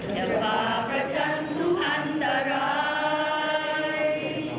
จะฝากระฉันทุกอันตราย